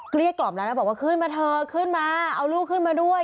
เรียกกล่อมแล้วนะบอกว่าขึ้นมาเถอะขึ้นมาเอาลูกขึ้นมาด้วย